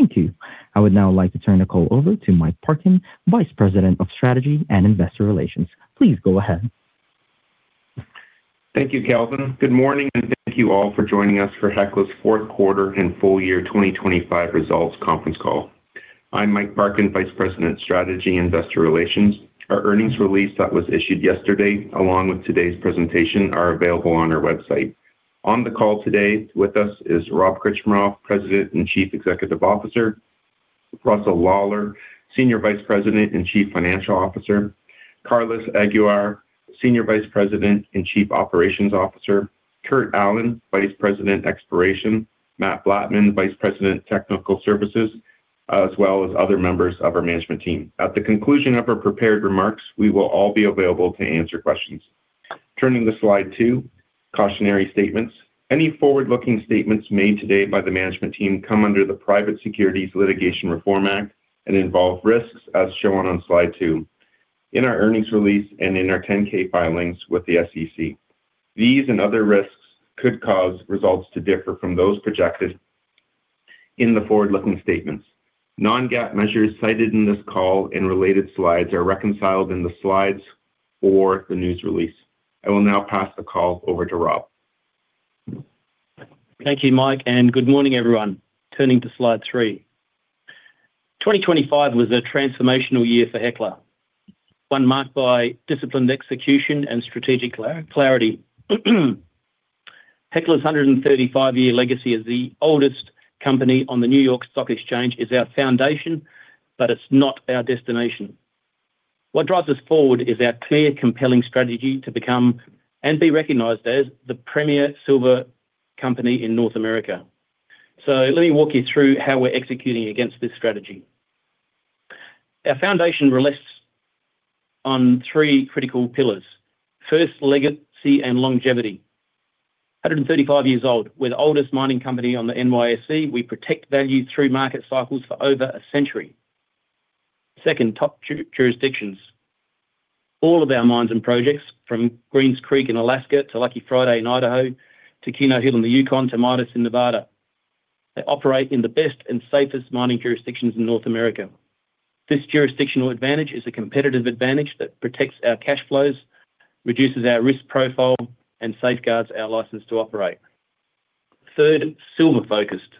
Thank you. I would now like to turn the call over to Mike Parkin, Vice President of Strategy and Investor Relations. Please go ahead. Thank you, Calvin. Good morning, and thank you all for joining us for Hecla's fourth quarter and full year 2025 results conference call. I'm Mike Parkin, Vice President, Strategy, Investor Relations. Our earnings release that was issued yesterday, along with today's presentation, are available on our website. On the call today with us is Rob Krcmarov, President and Chief Executive Officer, Russell Lawlar, Senior Vice President and Chief Financial Officer, Carlos Aguiar, Senior Vice President and Chief Operating Officer, Kurt Allen, Vice President, Exploration, Matt Blattman, Vice President, Technical Services, as well as other members of our management team. At the conclusion of our prepared remarks, we will all be available to answer questions. Turning to slide 2, cautionary statements. Any forward-looking statements made today by the management team come under the Private Securities Litigation Reform Act and involve risks as shown on slide 2. In our earnings release and in our 10-K filings with the SEC, these and other risks could cause results to differ from those projected in the forward-looking statements. Non-GAAP measures cited in this call and related slides are reconciled in the slides or the news release. I will now pass the call over to Rob. Thank you, Mike, and good morning, everyone. Turning to slide 3. 2025 was a transformational year for Hecla, one marked by disciplined execution and strategic clarity. Hecla's 135-year legacy as the oldest company on the New York Stock Exchange is our foundation, but it's not our destination. What drives us forward is our clear, compelling strategy to become, and be recognized as, the premier silver company in North America. So let me walk you through how we're executing against this strategy. Our foundation rests on three critical pillars. First, legacy and longevity. 135 years old, we're the oldest mining company on the NYSE. We protect value through market cycles for over a century. Second, top jurisdictions. All of our mines and projects, from Greens Creek in Alaska to Lucky Friday in Idaho to Keno Hill in the Yukon to Midas in Nevada, they operate in the best and safest mining jurisdictions in North America. This jurisdictional advantage is a competitive advantage that protects our cash flows, reduces our risk profile, and safeguards our license to operate. Third, silver-focused.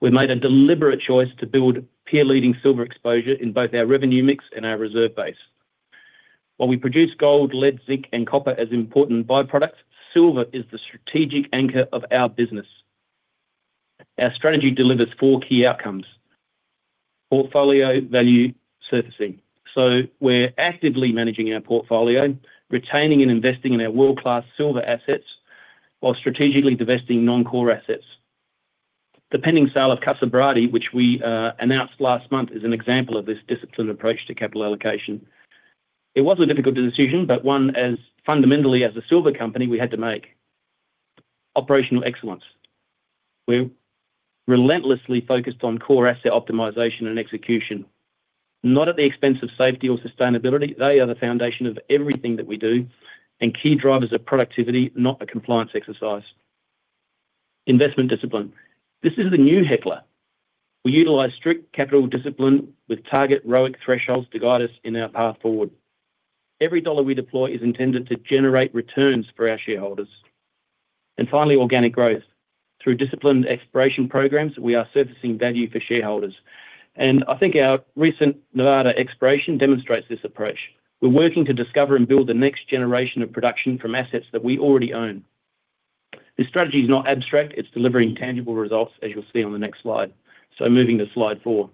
We've made a deliberate choice to build peer-leading silver exposure in both our revenue mix and our reserve base. While we produce gold, lead, zinc, and copper as important byproducts, silver is the strategic anchor of our business. Our strategy delivers four key outcomes. Portfolio value surfacing. So we're actively managing our portfolio, retaining and investing in our world-class silver assets, while strategically divesting non-core assets. The pending sale of Casa Berardi, which we announced last month, is an example of this disciplined approach to capital allocation. It was a difficult decision, but one, as fundamentally as a silver company, we had to make. Operational excellence. We're relentlessly focused on core asset optimization and execution, not at the expense of safety or sustainability. They are the foundation of everything that we do and key drivers of productivity, not a compliance exercise. Investment discipline. This is the new Hecla. We utilize strict capital discipline with target ROIC thresholds to guide us in our path forward. Every dollar we deploy is intended to generate returns for our shareholders. And finally, organic growth. Through disciplined exploration programs, we are surfacing value for shareholders, and I think our recent Nevada exploration demonstrates this approach. We're working to discover and build the next generation of production from assets that we already own. This strategy is not abstract; it's delivering tangible results, as you'll see on the next slide. So moving to slide 4.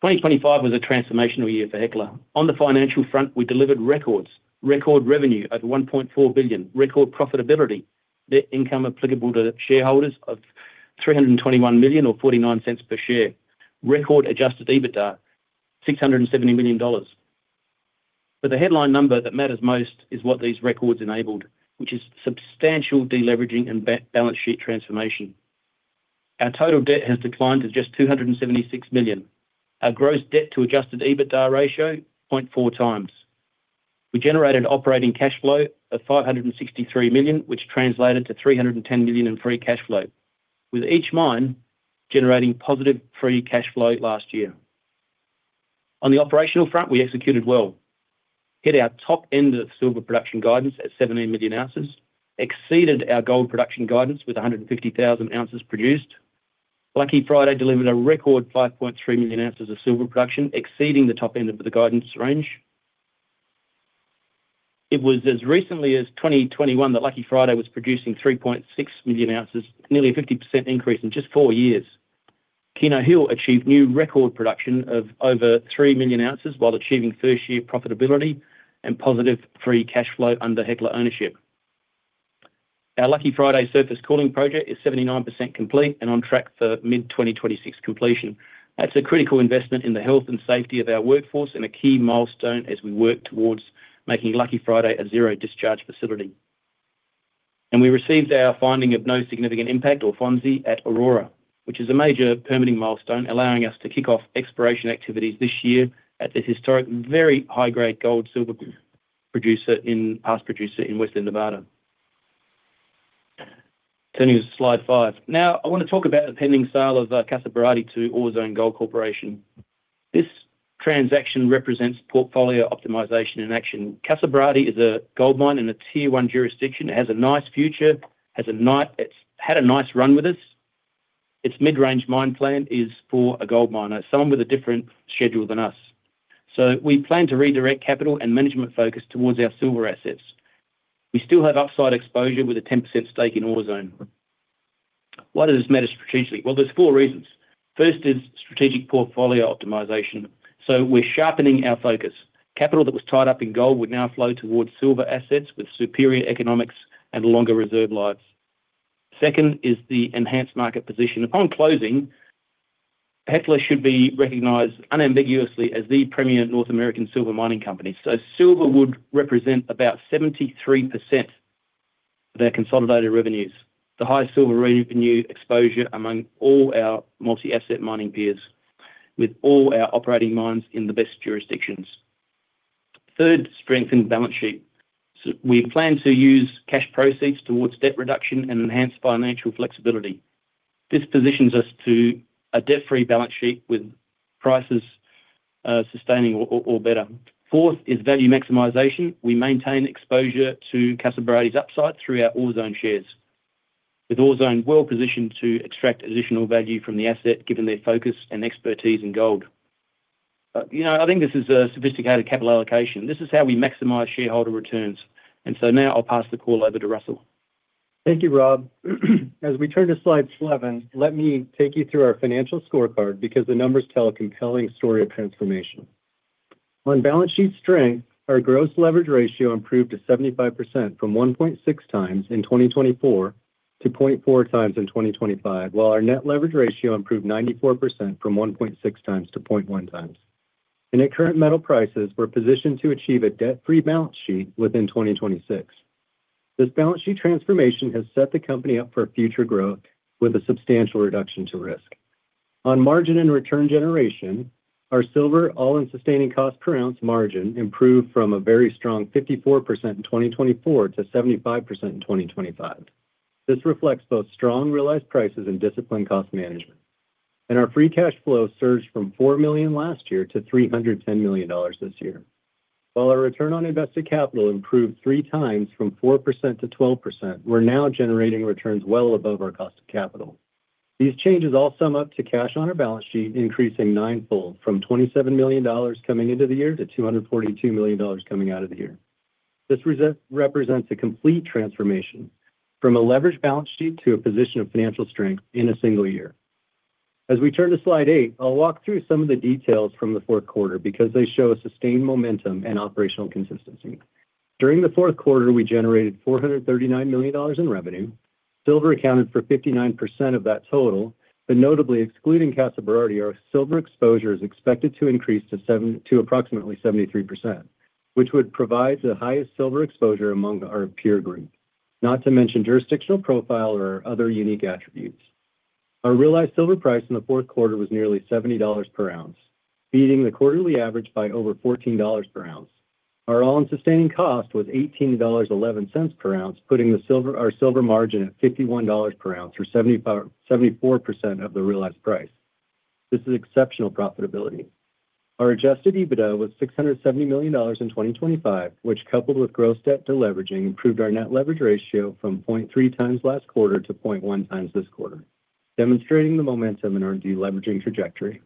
2025 was a transformational year for Hecla. On the financial front, we delivered records: record revenue at $1.4 billion, record profitability, net income applicable to shareholders of $321 million or $0.49 per share, record Adjusted EBITDA, $670 million. But the headline number that matters most is what these records enabled, which is substantial deleveraging and balance sheet transformation. Our total debt has declined to just $276 million. Our gross debt to Adjusted EBITDA ratio, 0.4 times. We generated operating cash flow of $563 million, which translated to $310 million in free cash flow, with each mine generating positive free cash flow last year. On the operational front, we executed well. Hit our top end of silver production guidance at 17 million ounces, exceeded our gold production guidance with 150,000 ounces produced. Lucky Friday delivered a record 5.3 million ounces of silver production, exceeding the top end of the guidance range. It was as recently as 2021 that Lucky Friday was producing 3.6 million ounces, nearly a 50% increase in just four years. Keno Hill achieved new record production of over 3 million ounces while achieving first-year profitability and positive free cash flow under Hecla ownership. Our Lucky Friday surface cooling project is 79% complete and on track for mid-2026 completion. That's a critical investment in the health and safety of our workforce and a key milestone as we work towards making Lucky Friday a zero-discharge facility. We received our Finding of No Significant Impact, or FONSI, at Aurora, which is a major permitting milestone, allowing us to kick off exploration activities this year at this historic and very high-grade gold/silver past producer in western Nevada... Turning to slide 5. Now, I want to talk about the pending sale of Casa Berardi to Orezone Gold Corporation. This transaction represents portfolio optimization in action. Casa Berardi is a gold mine in a tier one jurisdiction. It has a nice future, has a nice—It's had a nice run with us. Its mid-range mine plan is for a gold miner, someone with a different schedule than us. So we plan to redirect capital and management focus towards our silver assets. We still have upside exposure with a 10% stake in Orezone. Why does this matter strategically? Well, there's four reasons. First is strategic portfolio optimization. We're sharpening our focus. Capital that was tied up in gold would now flow towards silver assets with superior economics and longer reserve lives. Second is the enhanced market position. Upon closing, Hecla should be recognized unambiguously as the premier North American silver mining company. Silver would represent about 73% of their consolidated revenues, the highest silver revenue exposure among all our multi-asset mining peers, with all our operating mines in the best jurisdictions. Third, strengthened balance sheet. We plan to use cash proceeds towards debt reduction and enhanced financial flexibility. This positions us to a debt-free balance sheet with prices, sustaining or, or better. Fourth is value maximization. We maintain exposure to Casa Berardi's upside through our Orezone shares, with Orezone well-positioned to extract additional value from the asset, given their focus and expertise in gold. You know, I think this is a sophisticated capital allocation. This is how we maximize shareholder returns. So now I'll pass the call over to Russell. Thank you, Rob. As we turn to slide 11, let me take you through our financial scorecard, because the numbers tell a compelling story of transformation. On balance sheet strength, our gross leverage ratio improved to 75% from 1.6 times in 2024 to 0.4 times in 2025, while our net leverage ratio improved 94% from 1.6 times to 0.1 times. At current metal prices, we're positioned to achieve a debt-free balance sheet within 2026. This balance sheet transformation has set the company up for future growth with a substantial reduction to risk. On margin and return generation, our silver all-in sustaining cost per ounce margin improved from a very strong 54% in 2024 to 75% in 2025. This reflects both strong realized prices and disciplined cost management. Our free cash flow surged from $4 million last year to $310 million this year, while our return on invested capital improved three times from 4% to 12%. We're now generating returns well above our cost of capital. These changes all sum up to cash on our balance sheet, increasing ninefold from $27 million coming into the year to $242 million coming out of the year. This represents a complete transformation from a leveraged balance sheet to a position of financial strength in a single year. As we turn to slide 8, I'll walk through some of the details from the fourth quarter because they show a sustained momentum and operational consistency. During the fourth quarter, we generated $439 million in revenue. Silver accounted for 59% of that total, but notably excluding Casa Berardi, our silver exposure is expected to increase to approximately 73%, which would provide the highest silver exposure among our peer group, not to mention jurisdictional profile or other unique attributes. Our realized silver price in the fourth quarter was nearly $70 per ounce, beating the quarterly average by over $14 per ounce. Our all-in sustaining cost was $18.11 per ounce, putting the silver, our silver margin at $51 per ounce or 74% of the realized price. This is exceptional profitability. Our adjusted EBITDA was $670 million in 2025, which, coupled with gross debt deleveraging, improved our net leverage ratio from 0.3x last quarter to 0.1x this quarter, demonstrating the momentum in our deleveraging trajectory.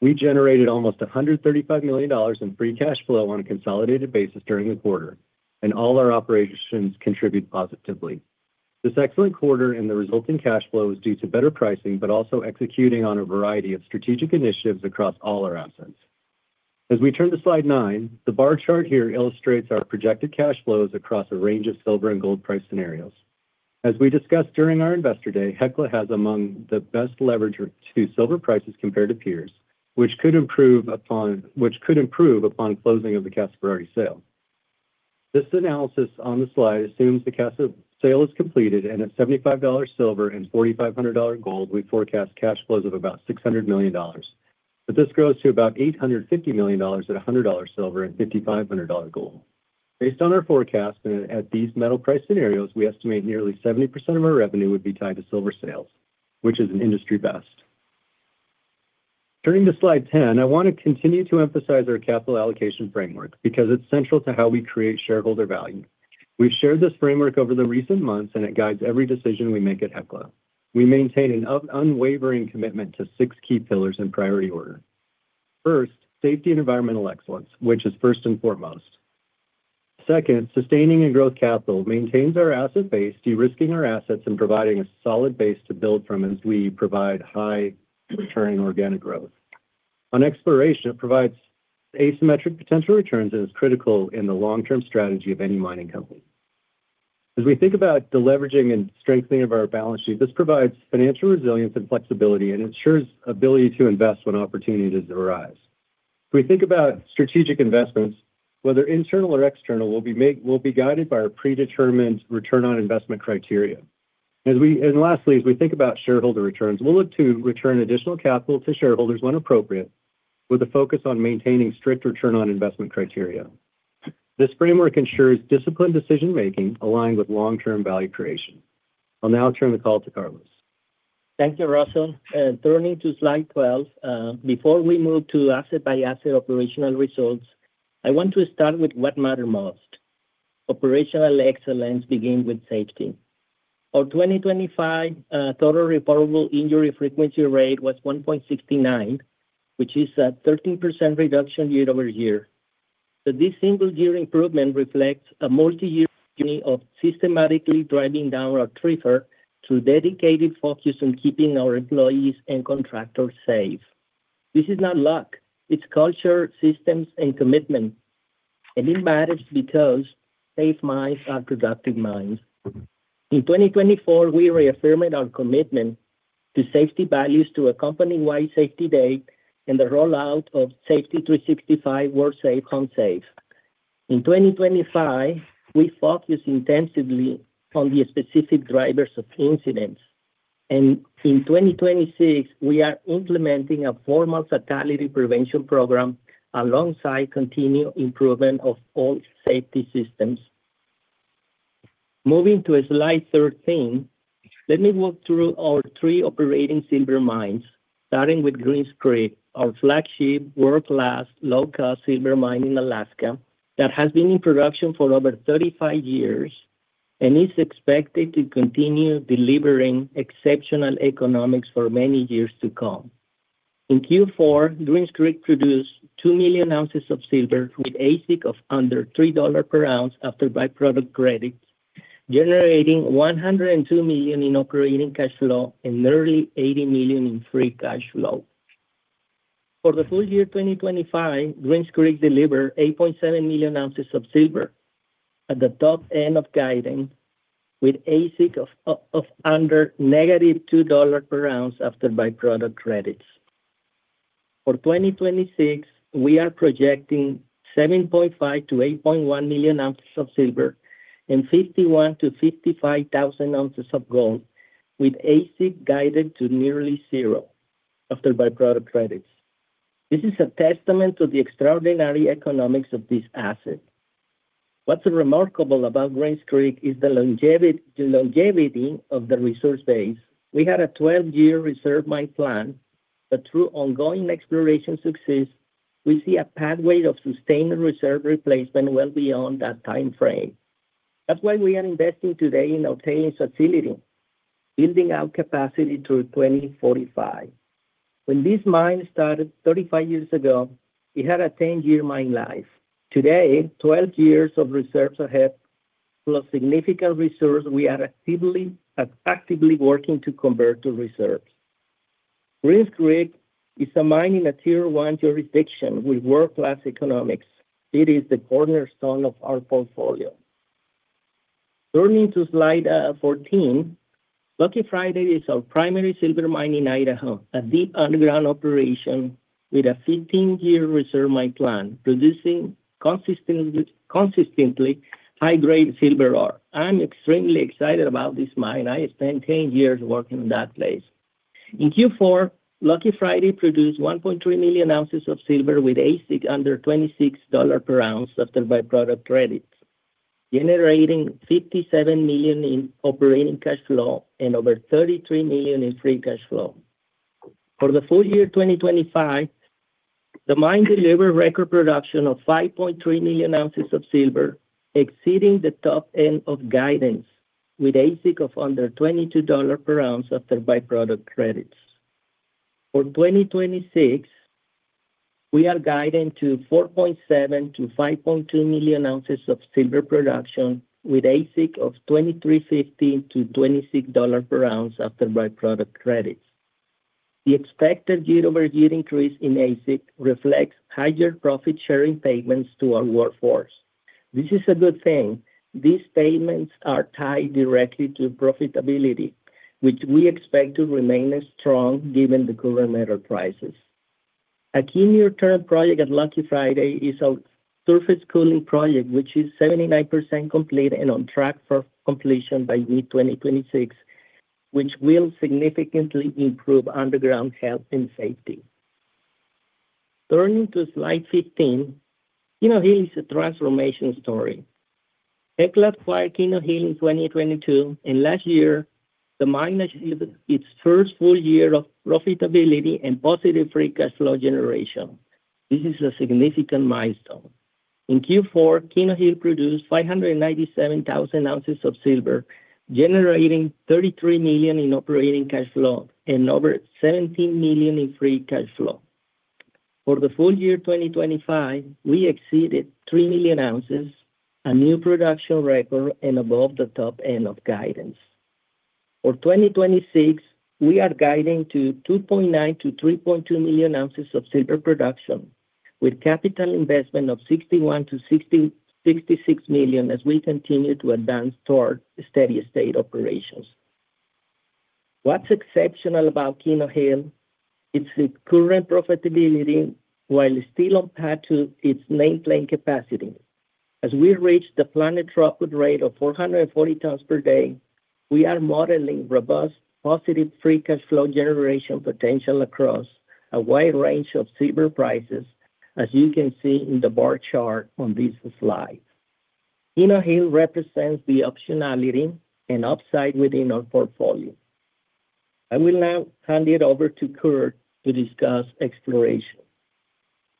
We generated almost $135 million in free cash flow on a consolidated basis during the quarter, and all our operations contribute positively. This excellent quarter and the resulting cash flow is due to better pricing, but also executing on a variety of strategic initiatives across all our assets. As we turn to slide 9, the bar chart here illustrates our projected cash flows across a range of silver and gold price scenarios. As we discussed during our Investor Day, Hecla has among the best leverage to silver prices compared to peers, which could improve upon, which could improve upon closing of the Casa Berardi sale. This analysis on the slide assumes the Casa sale is completed, and at $75 silver and $4,500 gold, we forecast cash flows of about $600 million. But this grows to about $850 million at $100 silver and $5,500 gold. Based on our forecast and at these metal price scenarios, we estimate nearly 70% of our revenue would be tied to silver sales, which is an industry best. Turning to slide 10, I want to continue to emphasize our capital allocation framework because it's central to how we create shareholder value. We've shared this framework over the recent months, and it guides every decision we make at Hecla. We maintain an unwavering commitment to six key pillars in priority order. First, safety and environmental excellence, which is first and foremost. Second, sustaining and growth capital maintains our asset base, de-risking our assets, and providing a solid base to build from as we provide high-returning organic growth. On exploration, it provides asymmetric potential returns and is critical in the long-term strategy of any mining company. As we think about deleveraging and strengthening of our balance sheet, this provides financial resilience and flexibility and ensures ability to invest when opportunities arise. We think about strategic investments, whether internal or external, will be guided by our predetermined return on investment criteria. And lastly, as we think about shareholder returns, we'll look to return additional capital to shareholders when appropriate, with a focus on maintaining strict return on investment criteria. This framework ensures disciplined decision making, aligned with long-term value creation. I'll now turn the call to Carlos. Thank you, Russell. Turning to slide 12, before we move to asset by asset operational results, I want to start with what matters most: operational excellence begins with safety. Our 2025 total reportable injury frequency rate was 1.69, which is a 13% reduction year-over-year. So this single year improvement reflects a multi-year journey of systematically driving down our TRIFR through dedicated focus on keeping our employees and contractors safe. This is not luck, it's culture, systems, and commitment, and it matters because safe mines are productive mines. In 2024, we reaffirmed our commitment to safety values to a company-wide safety day and the rollout of Safety 365, Work Safe, Home Safe. In 2025, we focused intensively on the specific drivers of incidents, and in 2026, we are implementing a formal fatality prevention program alongside continued improvement of all safety systems. Moving to slide 13, let me walk through our three operating silver mines, starting with Greens Creek, our flagship world-class low-cost silver mine in Alaska, that has been in production for over 35 years and is expected to continue delivering exceptional economics for many years to come. In Q4, Greens Creek produced 2 million ounces of silver with AISC of under $3 per ounce after by-product credits, generating $102 million in operating cash flow and nearly $80 million in free cash flow. For the full year 2025, Greens Creek delivered 8.7 million ounces of silver at the top end of guiding, with AISC of under -$2 per ounce after by-product credits. For 2026, we are projecting 7.5-8.1 million ounces of silver and 51,000-55,000 ounces of gold, with AISC guided to nearly $0 after by-product credits. This is a testament to the extraordinary economics of this asset. What's remarkable about Greens Creek is the longevity of the resource base. We had a 12-year reserve mine plan, but through ongoing exploration success, we see a pathway of sustained reserve replacement well beyond that timeframe. That's why we are investing today in tailings facility, building our capacity through 2045. When this mine started 35 years ago, it had a 10-year mine life. Today, 12 years of reserves ahead, plus significant resource we are actively working to convert to reserves. Greens Creek is a mine in a Tier 1 jurisdiction with world-class economics. It is the cornerstone of our portfolio. Turning to slide 14, Lucky Friday is our primary silver mine in Idaho, a deep underground operation with a 15-year reserve mine plan, producing consistently high-grade silver ore. I'm extremely excited about this mine. I spent 10 years working in that place. In Q4, Lucky Friday produced 1.3 million ounces of silver, with AISC under $26 per ounce after by-product credits, generating $57 million in operating cash flow and over $33 million in free cash flow. For the full year 2025, the mine delivered record production of 5.3 million ounces of silver, exceeding the top end of guidance, with AISC of under $22 per ounce after by-product credits. For 2026, we are guiding to 4.7-5.2 million ounces of silver production, with AISC of $23.50-$26 per ounce after by-product credits. The expected year-over-year increase in AISC reflects higher profit-sharing payments to our workforce. This is a good thing. These payments are tied directly to profitability, which we expect to remain strong given the current metal prices. A key near-term project at Lucky Friday is a surface cooling project, which is 79% complete and on track for completion by mid-2026, which will significantly improve underground health and safety. Turning to slide 15, you know, here is a transformation story. Hecla acquired Keno Hill in 2022, and last year, the mine achieved its first full year of profitability and positive free cash flow generation. This is a significant milestone. In Q4, Keno Hill produced 597,000 ounces of silver, generating $33 million in operating cash flow and over $17 million in free cash flow. For the full year 2025, we exceeded 3 million ounces, a new production record, and above the top end of guidance. For 2026, we are guiding to 2.9-3.2 million ounces of silver production, with capital investment of $61-$66 million as we continue to advance toward steady state operations. What's exceptional about Keno Hill is the current profitability while still on path to its nameplate capacity. As we reach the planned throughput rate of 440 tons per day, we are modeling robust, positive free cash flow generation potential across a wide range of silver prices, as you can see in the bar chart on this slide. Keno Hill represents the optionality and upside within our portfolio. I will now hand it over to Kurt to discuss exploration.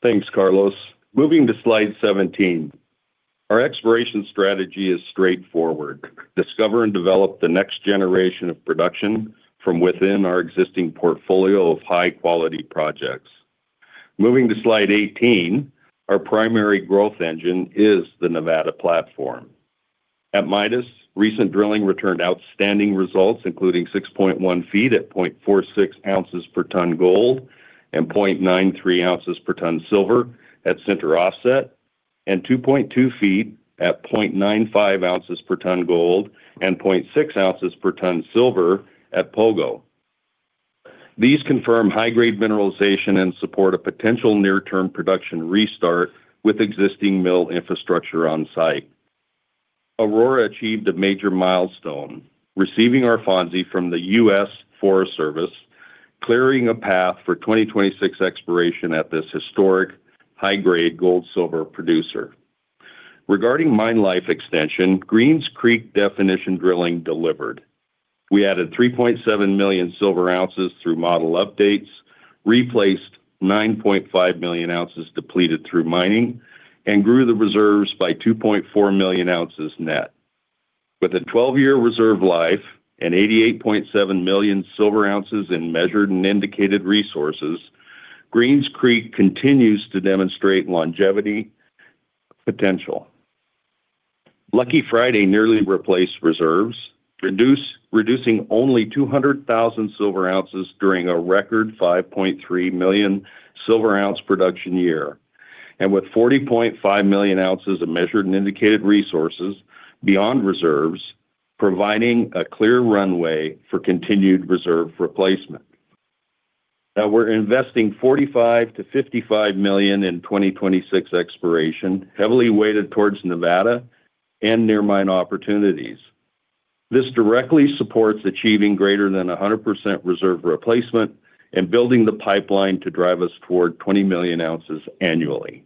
Thanks, Carlos. Moving to slide 17. Our exploration strategy is straightforward: discover and develop the next generation of production from within our existing portfolio of high-quality projects. Moving to slide 18, our primary growth engine is the Nevada platform. At Midas, recent drilling returned outstanding results, including 6.1 feet at 0.46 ounces per ton gold and 0.93 ounces per ton silver at Sinter Offset, and 2.2 feet at 0.95 ounces per ton gold and 0.6 ounces per ton silver at Pogo. These confirm high-grade mineralization and support a potential near-term production restart with existing mill infrastructure on site. Aurora achieved a major milestone, receiving our FONSI from the U.S. Forest Service, clearing a path for 2026 exploration at this historic high-grade gold-silver producer. Regarding mine life extension, Greens Creek definition drilling delivered. We added 3.7 million silver ounces through model updates, replaced 9.5 million ounces depleted through mining, and grew the reserves by 2.4 million ounces net. With a 12-year reserve life and 88.7 million silver ounces in measured and indicated resources, Greens Creek continues to demonstrate longevity potential. Lucky Friday nearly replaced reserves, reducing only 200,000 silver ounces during a record 5.3 million silver ounce production year, and with 40.5 million ounces of measured and indicated resources beyond reserves, providing a clear runway for continued reserve replacement. Now, we're investing $45-55 million in 2026 exploration, heavily weighted towards Nevada and near mine opportunities. This directly supports achieving greater than 100% reserve replacement and building the pipeline to drive us toward 20 million ounces annually.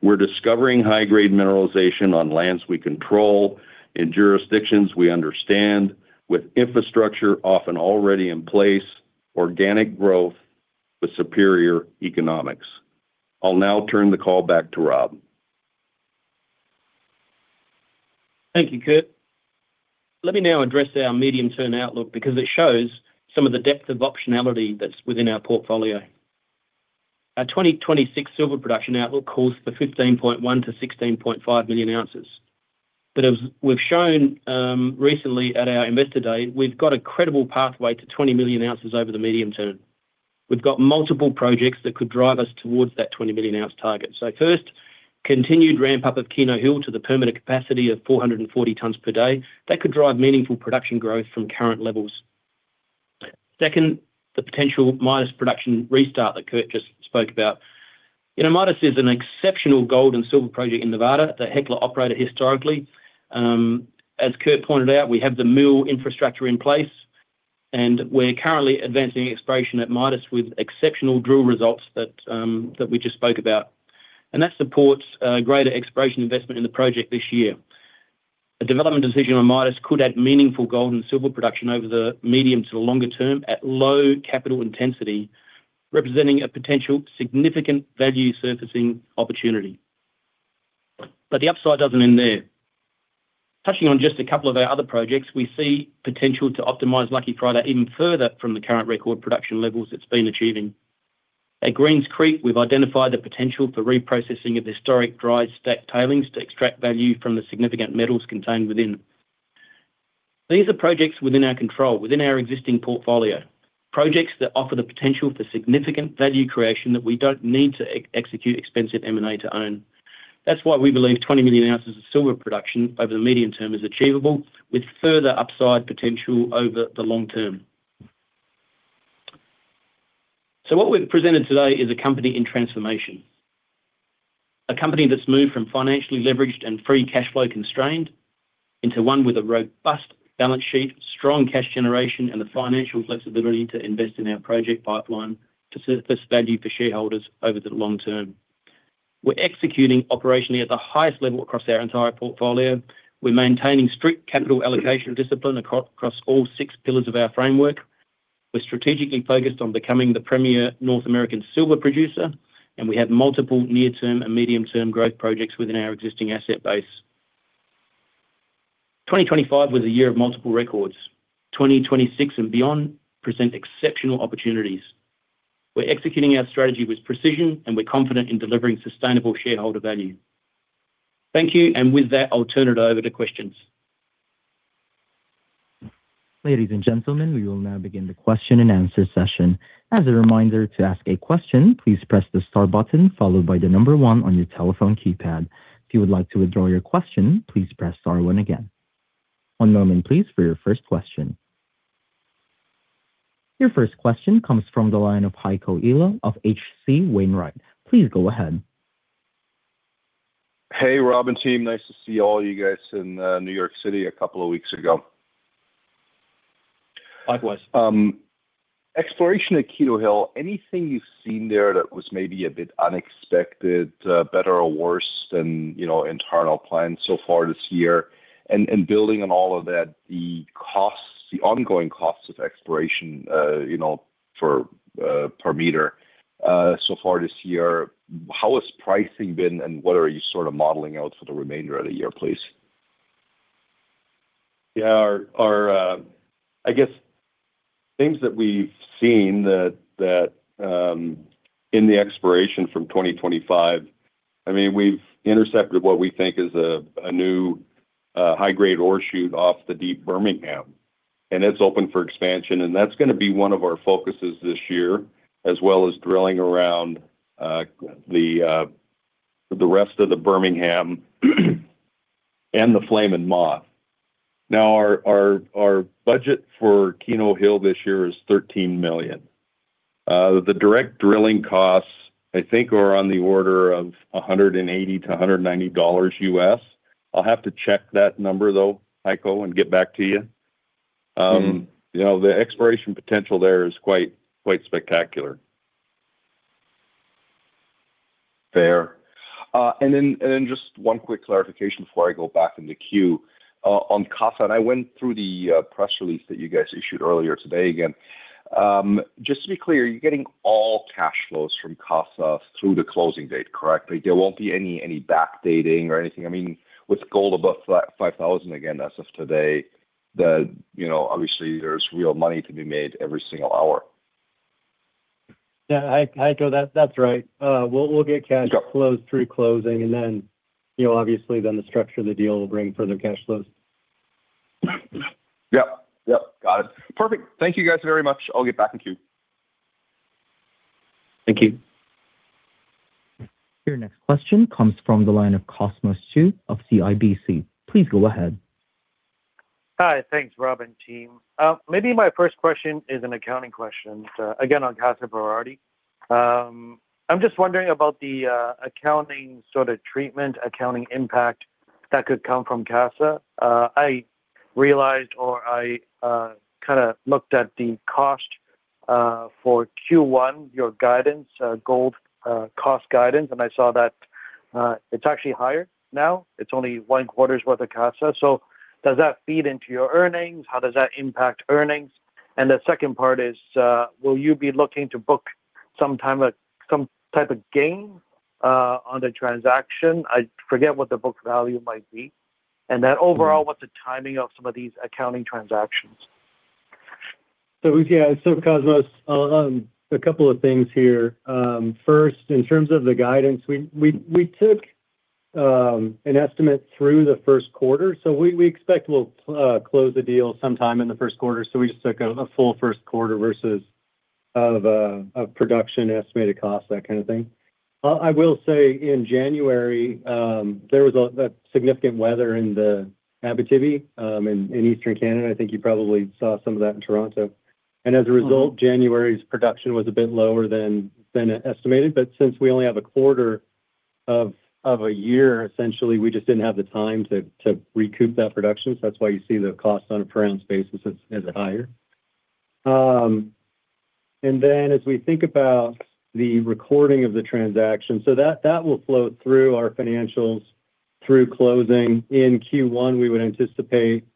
We're discovering high-grade mineralization on lands we control, in jurisdictions we understand, with infrastructure often already in place, organic growth with superior economics. I'll now turn the call back to Rob. Thank you, Kurt. Let me now address our medium-term outlook because it shows some of the depth of optionality that's within our portfolio. Our 2026 silver production outlook calls for 15.1-16.5 million ounces. But as we've shown recently at our Investor Day, we've got a credible pathway to 20 million ounces over the medium term. We've got multiple projects that could drive us towards that 20 million ounce target. So first, continued ramp-up of Keno Hill to the permanent capacity of 440 tons per day. That could drive meaningful production growth from current levels. Second, the potential Midas production restart that Kurt just spoke about. You know, Midas is an exceptional gold and silver project in Nevada that Hecla operated historically. As Kurt pointed out, we have the mill infrastructure in place, and we're currently advancing exploration at Midas with exceptional drill results that, that we just spoke about. And that supports, greater exploration investment in the project this year. A development decision on Midas could add meaningful gold and silver production over the medium to the longer term at low capital intensity, representing a potential significant value-surfacing opportunity. But the upside doesn't end there. Touching on just a couple of our other projects, we see potential to optimize Lucky Friday even further from the current record production levels it's been achieving. At Greens Creek, we've identified the potential for reprocessing of historic dry stack tailings to extract value from the significant metals contained within. These are projects within our control, within our existing portfolio, projects that offer the potential for significant value creation that we don't need to execute expensive M&A to own. That's why we believe 20 million ounces of silver production over the medium term is achievable, with further upside potential over the long term. So what we've presented today is a company in transformation, a company that's moved from financially leveraged and free cash flow constrained into one with a robust balance sheet, strong cash generation, and the financial flexibility to invest in our project pipeline to surface value for shareholders over the long term. We're executing operationally at the highest level across our entire portfolio. We're maintaining strict capital allocation discipline across all six pillars of our framework. We're strategically focused on becoming the premier North American silver producer, and we have multiple near-term and medium-term growth projects within our existing asset base. 2025 was a year of multiple records. 2026 and beyond present exceptional opportunities. We're executing our strategy with precision, and we're confident in delivering sustainable shareholder value. Thank you, and with that, I'll turn it over to questions. Ladies and gentlemen, we will now begin the question and answer session. As a reminder, to ask a question, please press the star button followed by the number 1 on your telephone keypad. If you would like to withdraw your question, please press star 1 again. One moment, please, for your first question... Your first question comes from the line of Heiko Ihle of H.C. Wainwright. Please go ahead. Hey, Rob and team. Nice to see all you guys in, New York City a couple of weeks ago. Likewise. Exploration at Keno Hill, anything you've seen there that was maybe a bit unexpected, better or worse than, you know, internal plans so far this year? And building on all of that, the costs, the ongoing costs of exploration, you know, per meter so far this year, how has pricing been, and what are you sort of modeling out for the remainder of the year, please? Yeah, our, I guess things that we've seen that, in the exploration from 2025, I mean, we've intercepted what we think is a new, high-grade ore shoot off the deep Bermingham, and it's open for expansion, and that's gonna be one of our focuses this year, as well as drilling around, the rest of the Bermingham and the Flame and Moth. Now, our budget for Keno Hill this year is $13 million. The direct drilling costs, I think, are on the order of $180-$190. I'll have to check that number though, Heiko, and get back to you. Mm. You know, the exploration potential there is quite, quite spectacular. Fair. And then just one quick clarification before I go back in the queue. On Casa, and I went through the press release that you guys issued earlier today again. Just to be clear, you're getting all cash flows from Casa through the closing date, correctly? There won't be any backdating or anything. I mean, with gold above $5,000, again, as of today, you know, obviously there's real money to be made every single hour. Yeah, Heiko, that's right. We'll get cash- Got it. flows through closing, and then, you know, obviously then the structure of the deal will bring further cash flows. Yep. Yep, got it. Perfect. Thank you guys very much. I'll get back in queue. Thank you. Your next question comes from the line of Cosmos Chiu of CIBC. Please go ahead. Hi. Thanks, Rob and team. Maybe my first question is an accounting question, again, on Casa Berardi. I'm just wondering about the accounting sort of treatment, accounting impact that could come from Casa. I realized, or I kinda looked at the cost for Q1, your guidance, gold cost guidance, and I saw that it's actually higher now. It's only one quarter's worth of Casa. So does that feed into your earnings? How does that impact earnings? And the second part is, will you be looking to book some type of, some type of gain on the transaction? I forget what the book value might be. Mm. Overall, what's the timing of some of these accounting transactions? So, yeah, so Cosmos, a couple of things here. First, in terms of the guidance, we took an estimate through the first quarter, so we expect we'll close the deal sometime in the first quarter. So we just took a full first quarter versus of production, estimated cost, that kind of thing. I will say, in January, there was a significant weather in the Abitibi, in eastern Canada. I think you probably saw some of that in Toronto. Mm. As a result, January's production was a bit lower than estimated. But since we only have a quarter of a year, essentially, we just didn't have the time to recoup that production. So that's why you see the cost on a per ounce basis is higher. And then, as we think about the recording of the transaction, so that will flow through our financials through closing. In Q1, we would anticipate,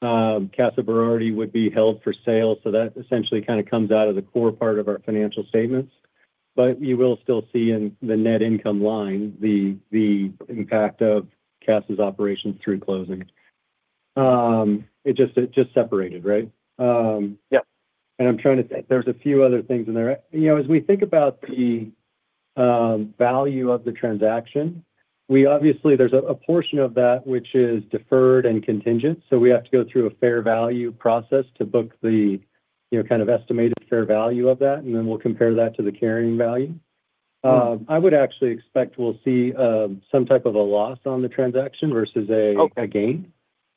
Casa Berardi would be held for sale, so that essentially kind of comes out of the core part of our financial statements. But you will still see in the net income line, the impact of Casa's operations through closing. It just separated, right? Yep. I'm trying to think. There's a few other things in there. You know, as we think about the value of the transaction, we obviously... There's a portion of that which is deferred and contingent, so we have to go through a fair value process to book the, you know, kind of estimated fair value of that, and then we'll compare that to the carrying value. Mm. I would actually expect we'll see some type of a loss on the transaction versus a- Okay. Again,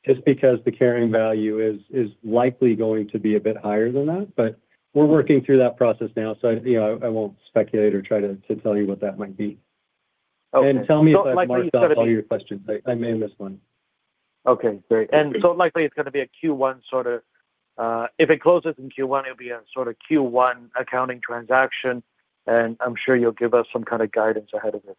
just because the carrying value is likely going to be a bit higher than that. But we're working through that process now, so, you know, I won't speculate or try to tell you what that might be. Okay. Tell me if I've marked off all your questions. I may have missed one. Okay, great. And so likely it's gonna be a Q1 sort of, if it closes in Q1, it'll be a sort of Q1 accounting transaction, and I'm sure you'll give us some kind of guidance ahead of it.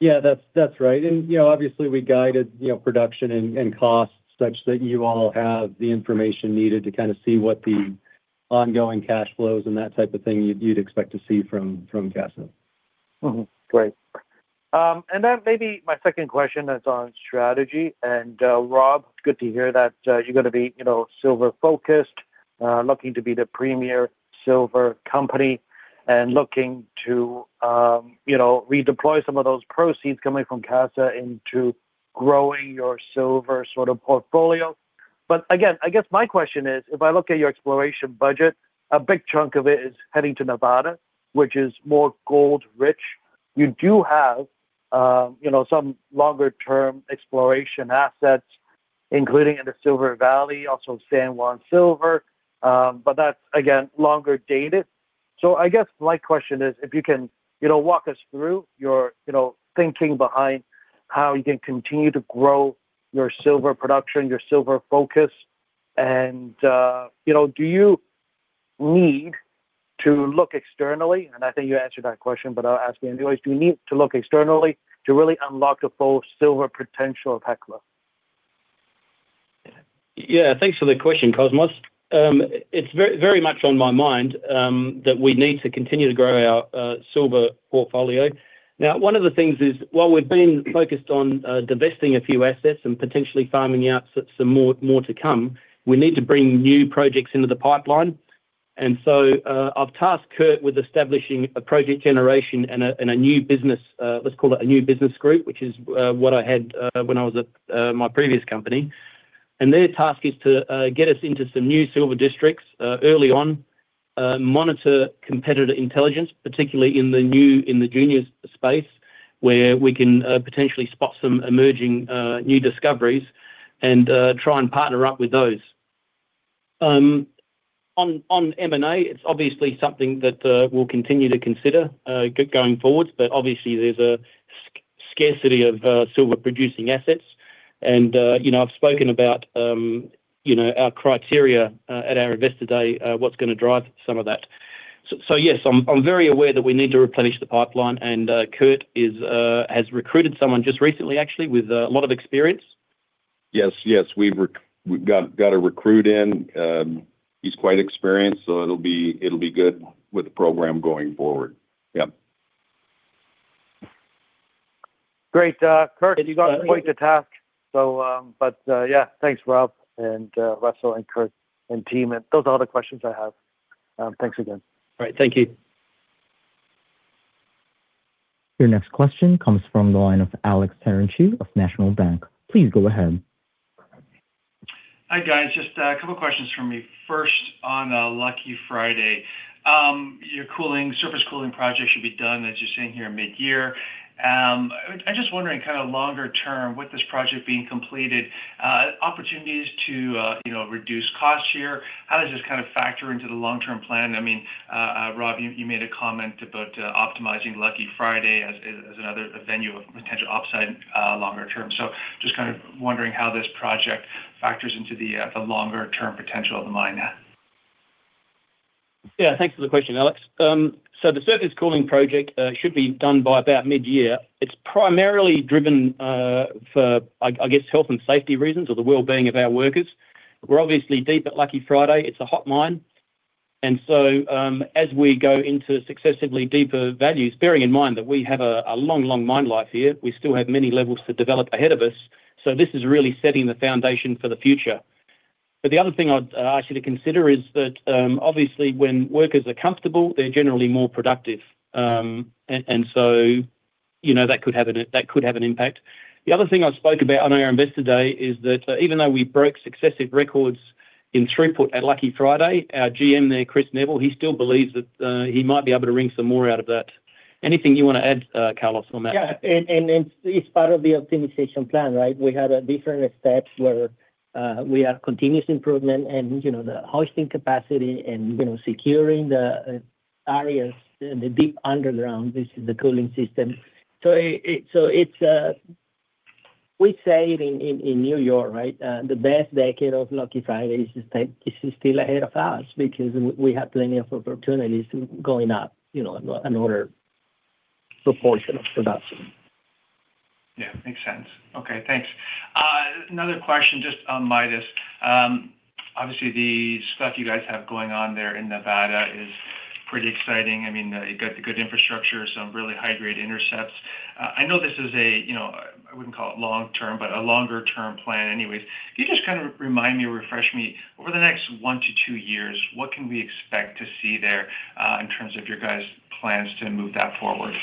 Yeah, that's right. And, you know, obviously, we guided, you know, production and costs such that you all have the information needed to kind of see what the ongoing cash flows and that type of thing you'd expect to see from Casa. Mm-hmm. Great. Then maybe my second question is on strategy. Rob, good to hear that, you're gonna be, you know, silver-focused, looking to be the premier silver company and looking to, you know, redeploy some of those proceeds coming from Casa into growing your silver sort of portfolio. But again, I guess my question is: if I look at your exploration budget, a big chunk of it is heading to Nevada, which is more gold rich. You do have, you know, some longer term exploration assets, including in the Silver Valley, also San Juan Silver, but that's again, longer dated. So I guess my question is, if you can, you know, walk us through your, you know, thinking behind how you can continue to grow your silver production, your silver focus, and, you know, do you need to look externally? I think you answered that question, but I'll ask anyways. Do you need to look externally to really unlock the full silver potential of Hecla? Yeah, thanks for the question, Cosmos. It's very, very much on my mind that we need to continue to grow our silver portfolio. Now, one of the things is, while we've been focused on divesting a few assets and potentially farming out some more, more to come, we need to bring new projects into the pipeline. And so, I've tasked Kurt with establishing a project generation and a new business, let's call it a new business group, which is what I had when I was at my previous company. And their task is to get us into some new silver districts early on, monitor competitor intelligence, particularly in the junior space, where we can potentially spot some emerging new discoveries and try and partner up with those. On M&A, it's obviously something that we'll continue to consider going forward, but obviously, there's a scarcity of silver-producing assets. And you know, I've spoken about you know, our criteria at our Investor Day, what's going to drive some of that. So yes, I'm very aware that we need to replenish the pipeline, and Kurt has recruited someone just recently, actually, with a lot of experience. Yes, yes, we've got a recruit in. He's quite experienced, so it'll be good with the program going forward. Yep. Great. Kurt, you got quite the task. Yeah, thanks, Rob and Russell and Kurt and team. Those are all the questions I have. Thanks again. All right, thank you. Your next question comes from the line of Alex Terentiew of National Bank. Please go ahead. Hi, guys. Just a couple of questions from me. First, on Lucky Friday. Your cooling, surface cooling project should be done, as you're saying here, mid-year. I'm just wondering, kind of longer term, with this project being completed, opportunities to, you know, reduce costs here, how does this kind of factor into the long-term plan? I mean, Rob, you made a comment about optimizing Lucky Friday as another avenue of potential upside longer term. So just kind of wondering how this project factors into the longer term potential of the mine. Yeah, thanks for the question, Alex. So the surface cooling project should be done by about mid-year. It's primarily driven for, I guess, health and safety reasons or the well-being of our workers. We're obviously deep at Lucky Friday. It's a hot mine. And so, as we go into successively deeper values, bearing in mind that we have a long, long mine life here, we still have many levels to develop ahead of us. So this is really setting the foundation for the future. But the other thing I'd ask you to consider is that, obviously, when workers are comfortable, they're generally more productive. And so, you know, that could have an impact. The other thing I spoke about on our Investor Day is that even though we broke successive records in throughput at Lucky Friday, our GM there, Chris Neville, he still believes that he might be able to wring some more out of that. Anything you want to add, Carlos, on that? Yeah, and it's part of the optimization plan, right? We have different steps where we are continuous improvement and, you know, the hoisting capacity and, you know, securing the areas, the deep underground, this is the cooling system. So it's, we say it in New York, right? The best decade of Lucky Friday is still ahead of us because we have plenty of opportunities going up, you know, in order proportion of production. Yeah, makes sense. Okay, thanks. Another question just on Midas. Obviously, the stuff you guys have going on there in Nevada is pretty exciting. I mean, you got the good infrastructure, some really high-grade intercepts. I know this is a, you know, I wouldn't call it long term, but a longer-term plan. Anyways, can you just kind of remind me or refresh me, over the next 1-2 years, what can we expect to see there, in terms of your guys' plans to move that forward?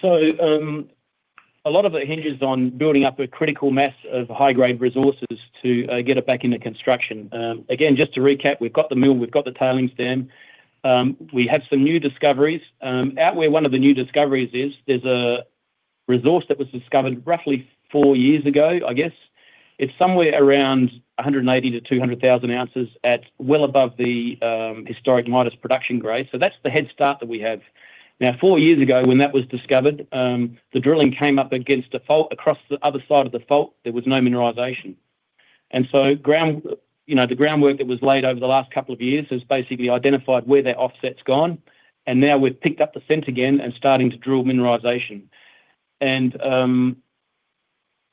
So, a lot of it hinges on building up a critical mass of high-grade resources to get it back into construction. Again, just to recap, we've got the mill, we've got the tailings dam, we have some new discoveries. Out where one of the new discoveries is, there's a resource that was discovered roughly four years ago, I guess. It's somewhere around 180-200 thousand ounces at well above the historic Midas production grade. So that's the head start that we have. Now, four years ago, when that was discovered, the drilling came up against a fault. Across the other side of the fault, there was no mineralization. And so, you know, the groundwork that was laid over the last couple of years has basically identified where that offset's gone, and now we've picked up the scent again and starting to drill mineralization. And,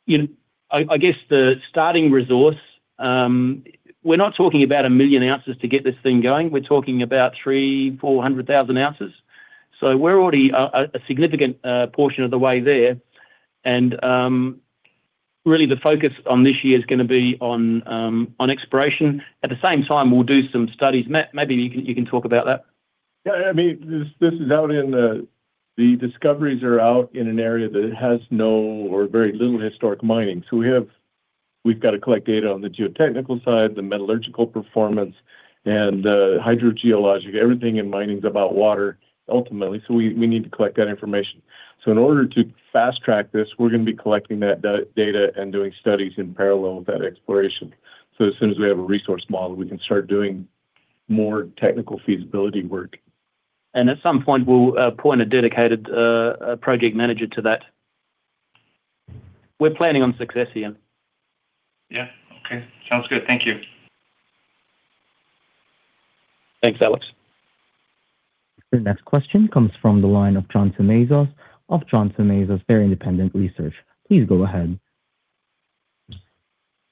you know, I, I guess the starting resource, we're not talking about 1 million ounces to get this thing going. We're talking about 300,000-400,000 ounces. So we're already a, a significant portion of the way there. And, really, the focus on this year is gonna be on, on exploration. At the same time, we'll do some studies. Matt, maybe you can, you can talk about that. Yeah, I mean, this is out in. The discoveries are out in an area that has no or very little historic mining. So we have-... We've got to collect data on the geotechnical side, the metallurgical performance, and the hydrogeologic. Everything in mining is about water ultimately, so we need to collect that information. So in order to fast-track this, we're gonna be collecting that data and doing studies in parallel with that exploration. So as soon as we have a resource model, we can start doing more technical feasibility work. At some point, we'll appoint a dedicated project manager to that. We're planning on success, Ian. Yeah. Okay. Sounds good. Thank you. Thanks, Alex. The next question comes from the line of John Tumazos of John Tumazos Very Independent Research. Please go ahead.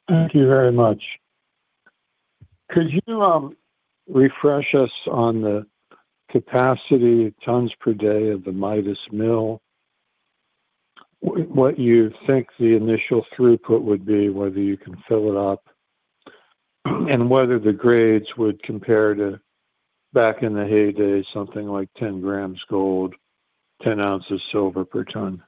Thank you very much. Could you refresh us on the capacity tons per day of the Midas Mill? What you think the initial throughput would be, whether you can fill it up, and whether the grades would compare to back in the heyday, something like 10 grams gold, 10 ounces silver per ton?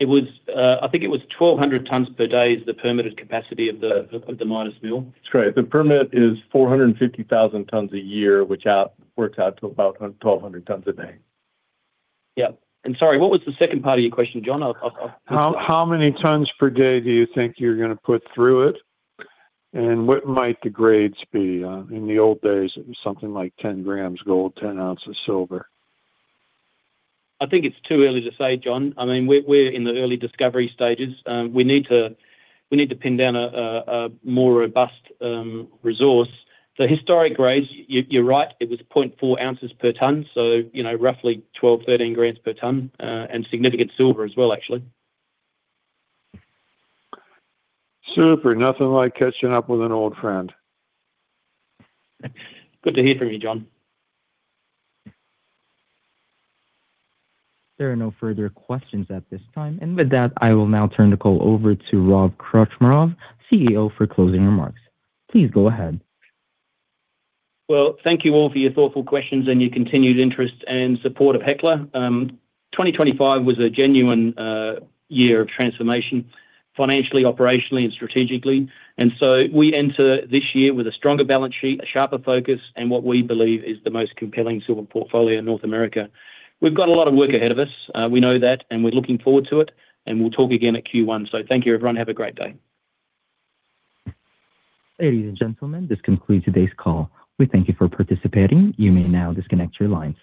It was, I think it was 1,200 tons per day is the permitted capacity of the Midas Mill. That's great. The permit is 450,000 tons a year, which works out to about 1,200 tons a day. Yeah. And sorry, what was the second part of your question, John? I'll, I'll- How many tons per day do you think you're gonna put through it? And what might the grades be, in the old days, it was something like 10 grams gold, 10 ounces silver. I think it's too early to say, John. I mean, we're in the early discovery stages. We need to pin down a more robust resource. The historic grades, you're right, it was 0.4 ounces per ton, so you know, roughly 12-13 grams per ton, and significant silver as well, actually. Super. Nothing like catching up with an old friend. Good to hear from you, John. There are no further questions at this time. And with that, I will now turn the call over to Rob Krcmarov, CEO, for closing remarks. Please go ahead. Well, thank you all for your thoughtful questions and your continued interest and support of Hecla. 2025 was a genuine year of transformation, financially, operationally, and strategically. And so we enter this year with a stronger balance sheet, a sharper focus, and what we believe is the most compelling silver portfolio in North America. We've got a lot of work ahead of us, we know that, and we're looking forward to it, and we'll talk again at Q1. So thank you, everyone. Have a great day. Ladies and gentlemen, this concludes today's call. We thank you for participating. You may now disconnect your lines.